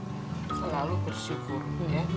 selalu bersyukur ya